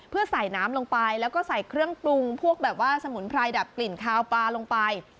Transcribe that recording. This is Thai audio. เพื่อใส่น้ำลงไปแล้วก็ใส่เครื่องปรุงพวกแบบว่าสมุนไพรดับกลิ่นคาวปลาลงไป